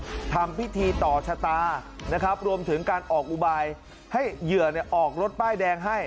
ทำพิธีต่อชะตานะครับรวมถึงการออกอุบายให้เหยื่อเนี่ยออกรถป้ายแดงให้